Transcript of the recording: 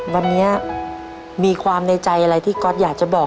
วันนี้มีความในใจอะไรที่ก๊อตอยากจะบอก